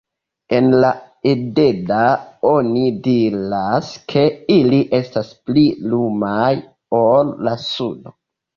En la Edda oni diras ke ili estas pli lumaj ol la suno.